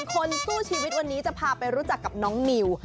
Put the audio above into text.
คนสู้ชีวิตวันนี้จะพาไปรู้จักกับน้องนิว